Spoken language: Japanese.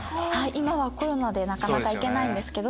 今はコロナでなかなか行けないんですけど。